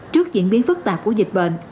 trước diễn biến phức tạp của dịch bệnh